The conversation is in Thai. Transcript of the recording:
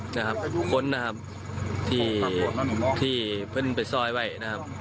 นะครับเป็นคนนะครับที่ที่เพิ่มเป็นซอยไว้นะครับ